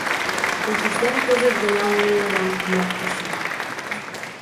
— Ушыштем кызыт гына мурыдам моктышым!